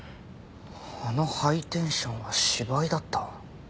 あのハイテンションは芝居だった？